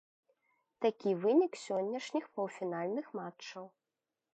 Такі вынік сённяшніх паўфінальных матчаў.